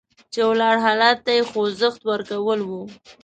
چې ولاړ حالت ته یې خوځښت ورکول وو.